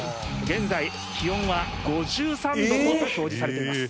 現在気温は５３度と表示されています。